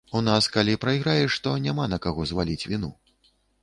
У нас калі прайграеш, то няма на каго зваліць віну.